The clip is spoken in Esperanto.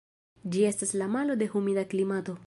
Ĝi estas la malo de humida klimato.